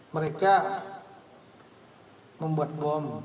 mereka membuat bom